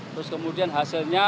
terus kemudian hasilnya